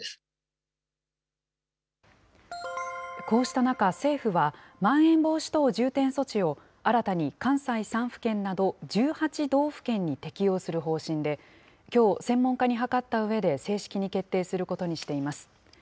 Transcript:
こうした中、政府はまん延防止等重点措置を新たに関西３府県など１８道府県に適用する方針で、きょう専門家に諮ったうえで正式に決定することにしています。